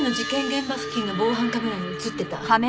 現場付近の防犯カメラに映ってた。